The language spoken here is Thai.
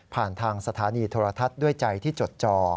ทางสถานีโทรทัศน์ด้วยใจที่จดจอ